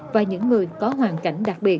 và những người có hoàn cảnh đặc biệt